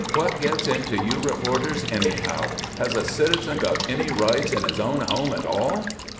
What gets into you reporters, anyhow? Has a citizen got any rights in his own home at all?"